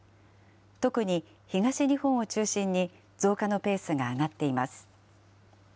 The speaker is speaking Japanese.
特に東日本を中心に増加のペースが上がっています。